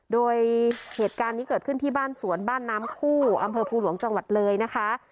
โดยเหตุการณ์นี้เกิดขึ้นที่บ้านสวนบ้านน้ำคู่อำเภอภูหลวงจังหวัดเลยนะคะ